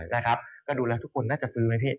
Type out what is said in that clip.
นะครับก็ดูแล้วทุกคนน่าจะซื้อไหมพี่